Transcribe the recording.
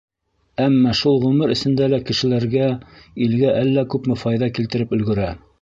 Әммә шул ғүмер эсендә лә кешеләргә, илгә әллә күпме файҙа килтереп өлгөрә.